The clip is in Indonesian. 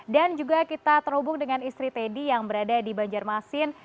dan juga kita terhubung dengan istri teddy yang berada di banjarmasin